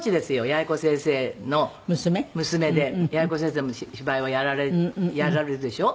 八重子先生の娘で八重子先生も芝居をやられるでしょ。